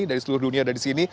dari seluruh dunia ada di sini